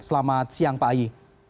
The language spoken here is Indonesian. selamat siang pak ayi